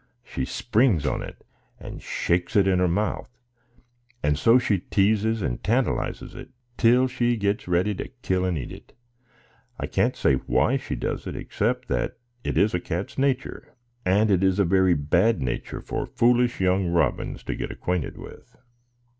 she springs on it, and shakes it in her mouth; and so she teases and tantalizes it, till she gets ready to kill and eat it. I can't say why she does it, except that it is a cat's nature; and it is a very bad nature for foolish young robins to get acquainted with.